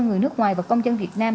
người nước ngoài và công dân việt nam